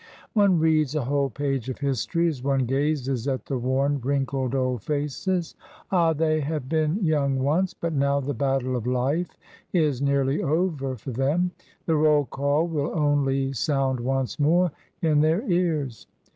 One reads a whole page of history as one gazes at the worn, wrinkled old faces; ah! they have been young once, but now the battle of life is nearly over for them; the roll call will only sound once more in their ears.